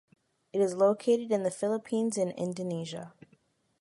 It is located in the Philippines and Indonesia.